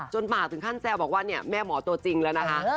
ปากถึงขั้นแซวบอกว่าเนี่ยแม่หมอตัวจริงแล้วนะคะ